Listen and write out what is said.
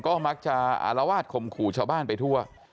ก็มักจะอารวาสคมขู่ชาวบ้านไปทั่ว